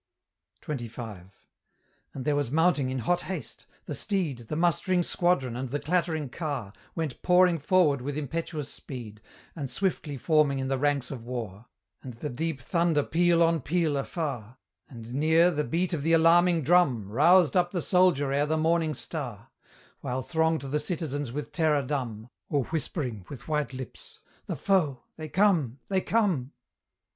XXV. And there was mounting in hot haste: the steed, The mustering squadron, and the clattering car, Went pouring forward with impetuous speed, And swiftly forming in the ranks of war; And the deep thunder peal on peal afar; And near, the beat of the alarming drum Roused up the soldier ere the morning star; While thronged the citizens with terror dumb, Or whispering, with white lips 'The foe! They come! they come!'